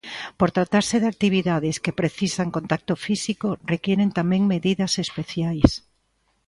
Por tratarse de actividades que precisan contacto físico, requiren tamén medidas especiais.